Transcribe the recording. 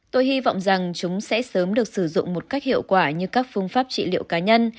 tôi hy vọng rằng chúng sẽ sớm được sử dụng một cách hiệu quả như các phương pháp trị liệu cá nhân